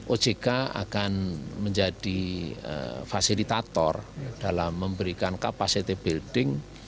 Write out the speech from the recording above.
ojk akan menjadi fasilitator dalam memberikan kapasitas pembangunan